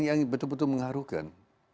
yang betul betul mengaruhkan